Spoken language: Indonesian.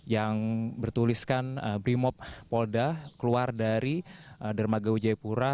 yang bertuliskan brimob polda keluar dari dermagau jayapura